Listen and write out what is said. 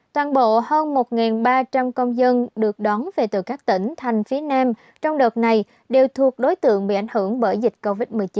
toàn bộ hơn một ba trăm linh công dân được đón về từ các tỉnh thành phía nam trong đợt này đều thuộc đối tượng bị ảnh hưởng bởi dịch covid một mươi chín